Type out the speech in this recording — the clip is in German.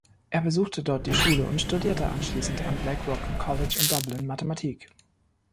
Er besuchte dort die Schule und studierte anschließend am Blackrock College in Dublin Mathematik.